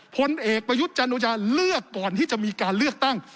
พลเอกประยุทธ์จันโอชาเลือกก่อนที่จะมีการเลือกตั้ง